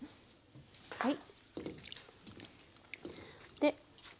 はい。